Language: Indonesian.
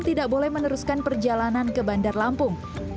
tidak boleh meneruskan perjalanan ke bandar lampung